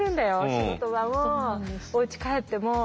仕事場もおうち帰っても。